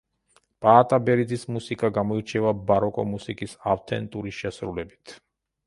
პაატა ბერიძის მუსიკა გამოირჩევა ბაროკო მუსიკის ავთენტური შესრულებით.